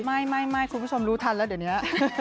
ไม่คุณผู้ชมรู้ทันแล้วเดี๋ยวนี้